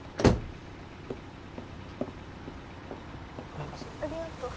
ありがと。